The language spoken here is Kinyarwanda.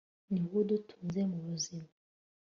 ni wowe udutunze, mu buzima